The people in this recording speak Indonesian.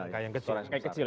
kayak yang kecil